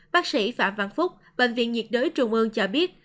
bác sĩ phạm văn phúc bệnh viện nhiệt đới trung ương cho biết